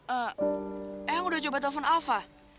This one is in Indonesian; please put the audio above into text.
eh eang udah coba telepon alva